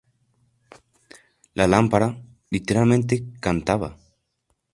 La lámpara, literalmente, cantaba.